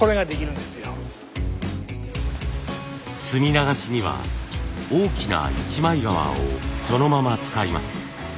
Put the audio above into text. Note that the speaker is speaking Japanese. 墨流しには大きな一枚革をそのまま使います。